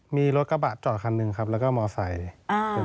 มีรถกระบะจอดคันหนึ่งครับแล้วก็มอไซค์